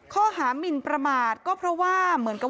ข้อหามินประมาทก็เพราะว่าเหมือนกับว่า